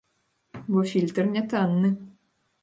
Бо фільтр не танны.